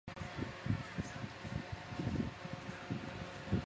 此地还有一处同名的山中小屋。